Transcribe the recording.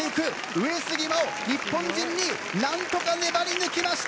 上杉真穂、日本人２位何とか粘り抜きました。